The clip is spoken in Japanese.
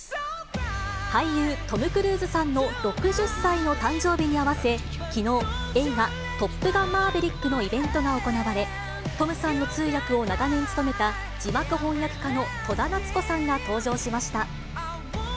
俳優、トム・クルーズさんの６０歳の誕生日に合わせ、きのう、映画、トップガンマーヴェリックのイベントが行われ、トムさんの通訳を長年務めた字幕翻訳家の戸田奈津子さんが登場しました。